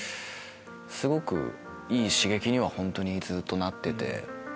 すごくいい刺激には本当にずっとなってて。